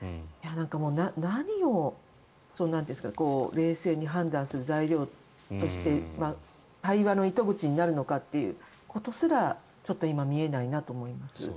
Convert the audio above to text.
もう何を冷静に判断する材料として対話の糸口になるのかということすらちょっと今見えないなと思います。